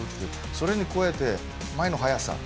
それに加えて前の速さ。